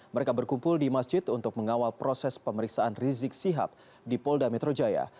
mereka berkumpul di masjid untuk mengawal proses pemeriksaan rizik sihab di polda metro jaya